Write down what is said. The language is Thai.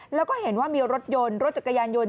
แล้วก็เห็นว่ามีรถยนต์รถจักรยานยนต์